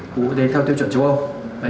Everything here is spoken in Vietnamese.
của bộ y tế theo tiêu chuẩn châu âu